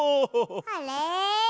あれ？